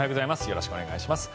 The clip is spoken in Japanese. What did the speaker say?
よろしくお願いします。